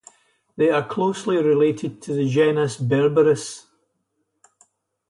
They are closely related to the genus "Berberis".